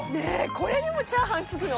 これにもチャーハン付くの？